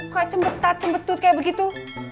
kok cembetat cembetut kayak begitu